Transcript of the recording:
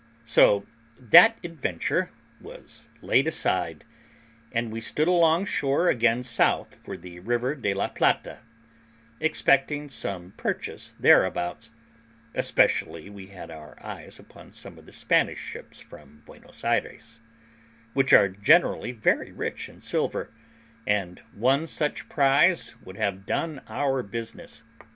So that adventure was laid aside, and we stood along shore again south for the river De la Plata, expecting some purchase thereabouts; especially we had our eyes upon some of the Spanish ships from Buenos Ayres, which are generally very rich in silver, and one such prize would have done our business.